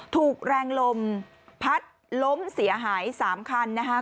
ถูกแรงลมพัดล้มเสียหาย๓คันนะคะ